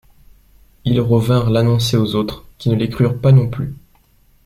Ils revinrent l’annoncer aux autres, qui ne les crurent pas non plus.